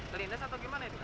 kelindas atau gimana